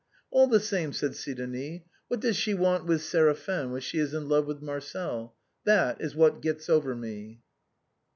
" All the same," said Sidonic, " what does she want with Séraphin when she is in love with Marcel? That is what gets over me."